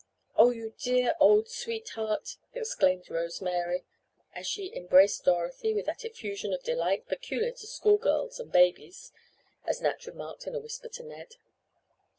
"Oh, you dear, old sweetheart!" exclaimed Rose Mary, as she embraced Dorothy with that effusion of delight peculiar to schoolgirls and babies, as Nat remarked in a whisper to Ned.